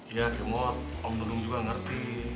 iya kemur om dulu juga ngerti